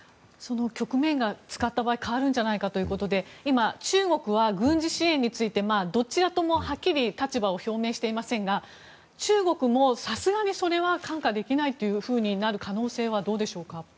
その局面が使った場合変わるんじゃないかということで今、中国は軍事支援についてどちらともはっきり立場を表明していませんが中国もさすがにそれは看過できないというふうになる可能性はどうでしょうか。